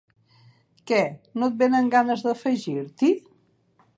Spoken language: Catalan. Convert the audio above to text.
Què, no et venen ganes d'afegir-t'hi?